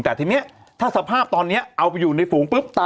แต่ทีนี้ถ้าสภาพตอนนี้เอาไปอยู่ในฝูงปุ๊บตา